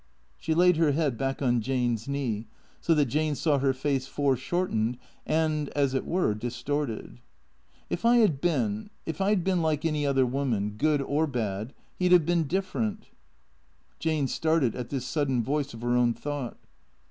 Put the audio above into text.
She laid her head back on Jane's knee, so that Jane saw her face foreshortened and, as it were, distorted. " If I had been — if I 'd been like any other woman, good or bad, he 'd have been different." Jane started at this sudden voice of her own thought.